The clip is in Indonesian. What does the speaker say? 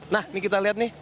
nah ini kita lihat nih